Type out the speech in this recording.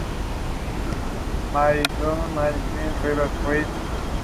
Cada hoja termina en una espina de color pardo.